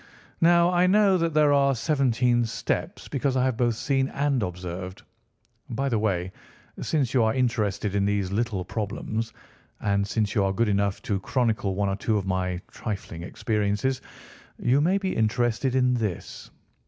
Now, I know that there are seventeen steps, because I have both seen and observed. By the way, since you are interested in these little problems, and since you are good enough to chronicle one or two of my trifling experiences, you may be interested in this."